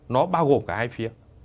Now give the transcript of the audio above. nó bao gồm cả hai phía